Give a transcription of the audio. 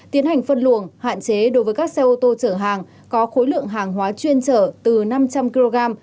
tiến hành phân luồng hạn chế đối với các xe ô tô chở hàng có khối lượng hàng hóa chuyên trở từ năm trăm linh kg